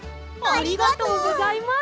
ありがとうございます！